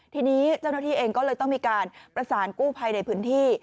ทีนี้เจ้าหน้าที่เองก็เลยต้องมีการประสานกู้ภัยในพื้นที่